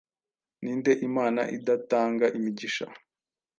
Ninde Imana idatanga imigisha